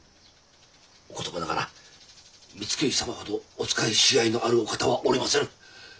お言葉ながら光圀様ほどお仕えしがいのあるお方はおりませぬ。